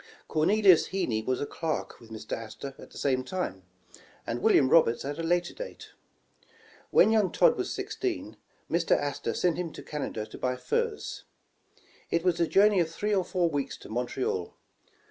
Cornelius Heeney was a clerk with Mr, Astor at the same time, and William Roberts at a later date. When young Todd was sixteen, Mr. Astor sent him to Canada to buy furs. It was a journey of three or four weeks to Montreal.